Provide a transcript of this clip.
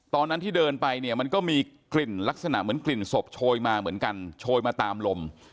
ตอนนั้นที่เดินไปเนี่ยมันก็มีกลิ่นลักษณะเหมือนกลิ่นศพโชยมาเหมือนกันโชยมาตามลม